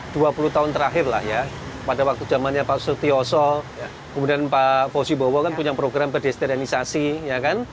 mulai dari dua puluh tahun terakhirlah ya pada waktu zamannya pak suti oso kemudian pak fosy bowo kan punya program berdesternisasi ya kan